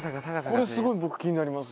これすごい僕気になります。